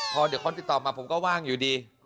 พอเดี๋ยวเขาติดต่อมาผมก็ว่างอยู่ดี